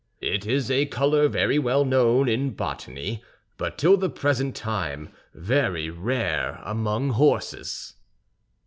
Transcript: "It is a color very well known in botany, but till the present time very rare among horses."